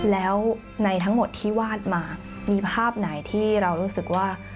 แล้วในทั้งหมดที่วาดมามีภาพไหนที่เรารู้สึกว่า